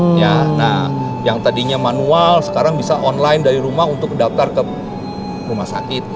nah yang tadinya manual sekarang bisa online dari rumah untuk daftar ke rumah sakit